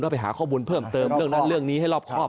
ไปหาข้อมูลเพิ่มเติมเรื่องนั้นเรื่องนี้ให้รอบครอบ